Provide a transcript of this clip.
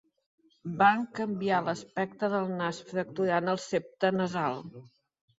Van canviar l'aspecte del nas fracturant el septe nasal.